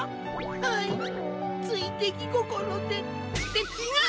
はいついできごころで。ってちがう！